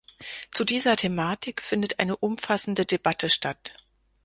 Zu dieser Thematik findet eine umfassende Debatte statt.